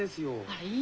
はい。